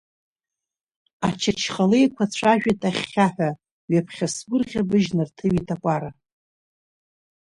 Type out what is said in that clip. Ачачхалеиқәа цәажәеит ахьхьаҳәа, ҩаԥхьа сгәырӷьабыжь нарҭыҩит акәара.